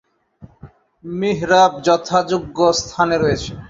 মিহরাব যথাযোগ্য স্থানে রয়েছে।